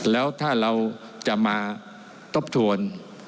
แล้วถ้าเราจะมาทบทวน